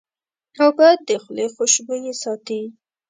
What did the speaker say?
اوبه د خولې خوشبویي ساتي.